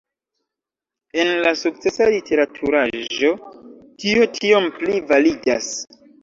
En sukcesa literaturaĵo, tio tiom pli validas.